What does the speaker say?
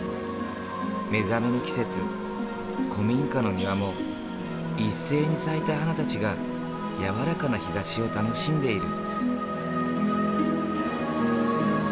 目覚めの季節古民家の庭も一斉に咲いた花たちが柔らかな日ざしを楽しんでいる。